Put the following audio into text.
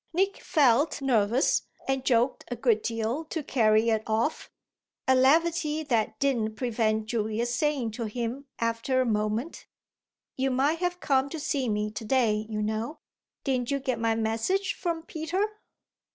Nick felt nervous and joked a good deal to carry it off a levity that didn't prevent Julia's saying to him after a moment: "You might have come to see me to day, you know. Didn't you get my message from Peter?"